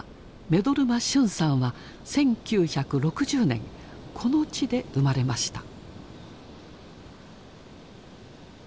目取真俊さんは１９６０年この地で生まれました。